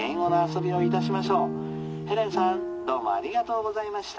ヘレンさんどうもありがとうございました」。